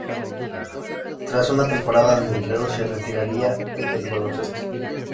Tras una temporada en el Reus, se retiraría del baloncesto.